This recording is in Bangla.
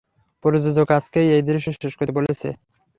প্রযোজক আজকেই এই দৃশ্য শেষ করতে বলেছে।